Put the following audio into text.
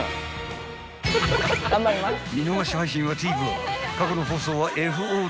［見逃し配信はＴＶｅｒ過去の放送はＦＯＤで］